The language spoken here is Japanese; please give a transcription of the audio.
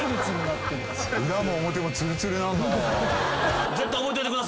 裏も表もツルツルなんだ。